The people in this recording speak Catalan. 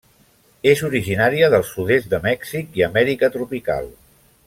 És originària del sud-est de Mèxic i Amèrica tropical.